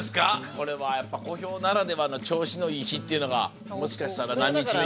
これは小兵ならではの調子のいい日っていうのがもしかしたら何日目に。